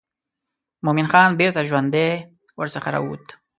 مومن خان بیرته ژوندی ورڅخه راووت.